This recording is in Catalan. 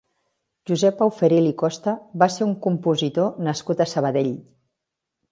Josep Auferil i Costa va ser un compositor nascut a Sabadell.